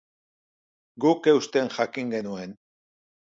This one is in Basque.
Guk eusten jakin genuen.